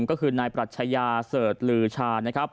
ก็คือนายปรัชญาเสิร์ชลือชานะครับ